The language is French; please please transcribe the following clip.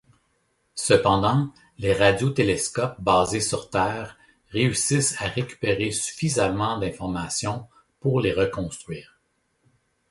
Cependant, les radiotélescopes basés sur Terre réussissent à récupérer suffisamment d'informations pour les reconstruire.